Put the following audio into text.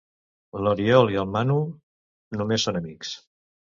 L'Oriol i en Manu només són amics.